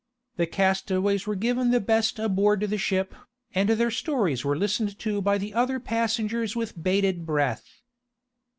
The castaways were given the best aboard the ship, and their stories were listened to by the other passengers with bated breath.